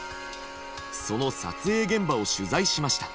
その撮影現場を取材しました。